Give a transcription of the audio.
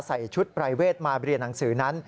ใส่ชุดปรายเวทมาเรียนหนังสือนั้น